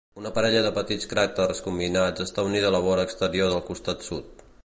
Una parella de petits cràters combinats està unida a la vora exterior del costat sud.